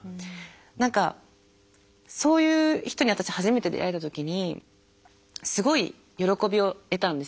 何かそういう人に私初めて出会えた時にすごい喜びを得たんですよ。